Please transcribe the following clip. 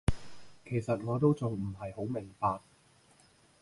其實我都仲唔係好明白